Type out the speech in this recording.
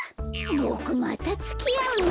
ボクまたつきあうの？